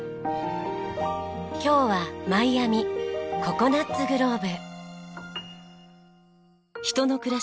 今日はマイアミココナッツグローブ。